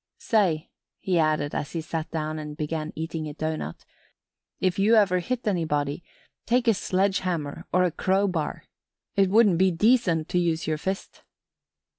"Say," he added as he sat down and began eating a doughnut. "If you ever hit anybody take a sledge hammer or a crowbar. It wouldn't be decent to use your fist."